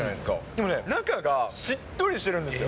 でもね、中がしっとりしてるんですよ。